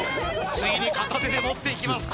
ついに片手で持って行きます